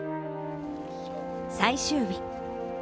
最終日。